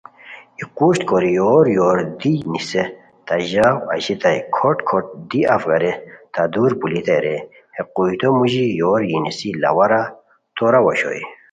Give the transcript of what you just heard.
ای قوژد کوری یور یور دی نیسے تہ ژاؤ اژیتائے کھوٹ کھوٹ دی اَف غیرے تہ دُور پولیتائے رے ہے قوژدو موژی یور یی نیسی لاوارہ توراؤ اوشوئے